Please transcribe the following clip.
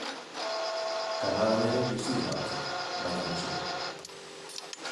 Kanadan ere bizi dira batzuk, baina gutxiago.